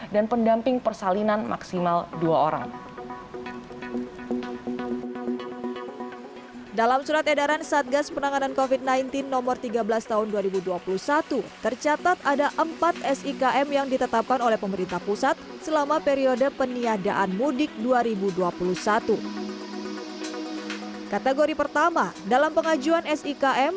kategori pertama dalam pengajuan sikm